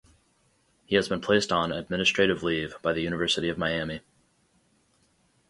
He has been placed on "administrative leave" by the University of Miami.